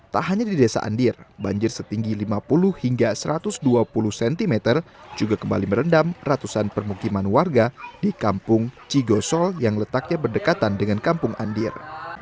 tak hanya di desa andir banjir setinggi lima puluh hingga satu ratus dua puluh cm juga kembali merendam ratusan permukiman warga di kampung cigosol yang letaknya berdekatan dengan kampung andir